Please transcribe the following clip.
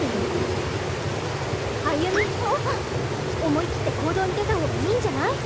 思い切って行動に出たほうがいいんじゃない？